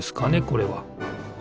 これは。